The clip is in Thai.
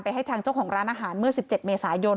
ให้ทางเจ้าของร้านอาหารเมื่อ๑๗เมษายน